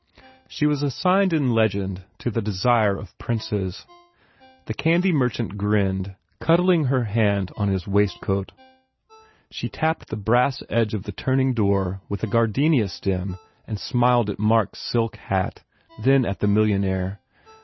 She was assigned in legend to the desire of princes. The candy merchant grinned, cuddling her hand on 74 FULL BLOOM his waistcoat. She tapped the brass edge of the turning door with a gardenia stem and smiled at Mark s silk hat, then at the millionaire.